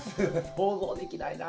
想像できないな。